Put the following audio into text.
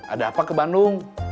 ada apa ke bandung